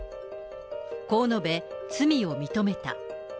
こう述べ、罪を認めた。